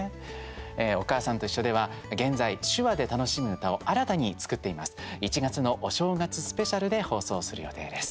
「おかあさんといっしょ」では現在、手話で楽しむ歌を新たに作っています。